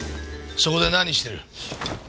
そこで何してる？